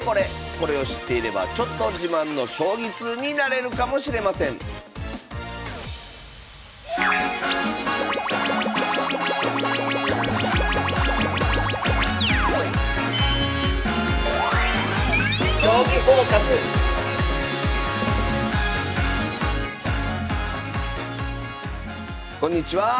これを知っていればちょっと自慢の将棋通になれるかもしれませんこんにちは。